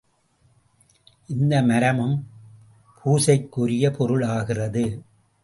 இந்த மரமும் பூஜைக்கு உரிய பொருளாகிறது.